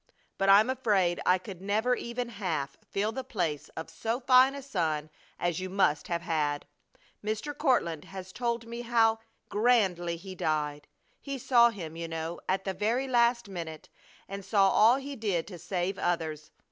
But I'm afraid I could never even half fill the place of so fine a son as you must have had. Mr. Courtland has told me how grandly he died. He saw him, you know, at the very last minute, and saw all he did to save others.